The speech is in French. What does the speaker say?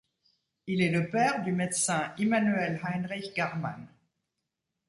Il est le père du médecin Immanuel Heinrich Garmann.